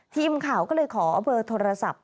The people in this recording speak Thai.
ทีมข่าวก็เลยขอเบอร์โทรศัพท์